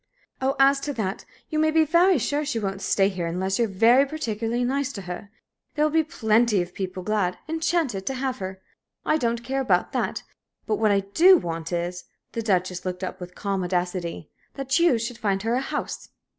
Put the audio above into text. "Oh, as to that, you may be very sure she won't stay here unless you're very particularly nice to her. There'll be plenty of people glad enchanted to have her! I don't care about that, but what I do want is" the Duchess looked up with calm audacity "that you should find her a house."